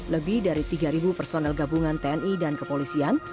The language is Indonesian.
lebih dari tiga personel gabungan tni dan kepolisian